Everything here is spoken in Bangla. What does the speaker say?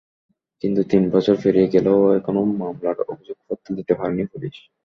কিন্তু তিন বছর পেরিয়ে গেলেও এখনো মামলার অভিযোগপত্র দিতে পারেনি পুলিশ।